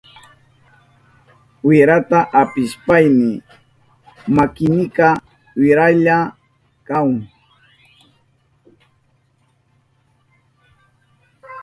Wirata apishpayni makinika wirahlla kahun.